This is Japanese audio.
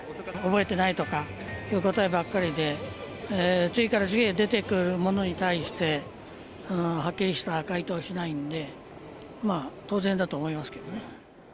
覚えてないとかいう答えばっかりで、次から次へ出てくるものに対して、はっきりした回答をしないんで、まあ、当然だと思いますけどね。